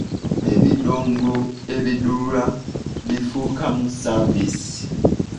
"Ebidongo, ebiduula bifuukamu “saaviisi”"